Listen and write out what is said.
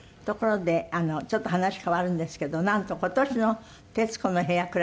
ところでちょっと話変わるんですけどなんと今年の「徹子の部屋」